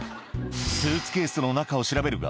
スーツケースの中を調べるが